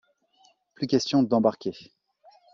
Plus question d'embarquer.